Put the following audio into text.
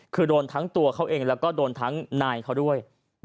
คือโดนทั้งตัวเขาเองแล้วก็โดนทั้งนายเขาด้วย